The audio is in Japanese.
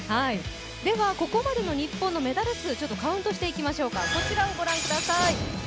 ここまでの日本のメダル数、カウントしてみましょうか。